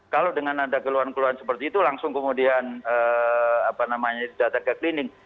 kalau dengan ada keluhan keluhan seperti itu langsung kemudian datang ke klinik